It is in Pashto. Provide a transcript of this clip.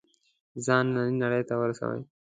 ځان نننۍ نړۍ ته ورسوي.